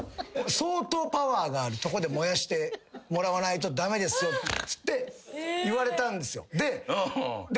相当パワーがあるとこで燃やしてもらわないと駄目ですよっつって言われたんですよ。